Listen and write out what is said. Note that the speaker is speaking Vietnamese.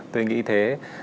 tôi nghĩ thế